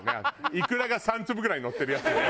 イクラが３粒ぐらいのってるやつよね。